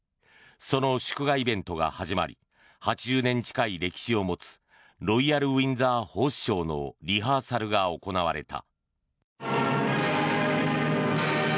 その祝賀イベントが始まり８０年近い歴史を持つロイヤルウィンザーホースショーのリハーサルが行われた。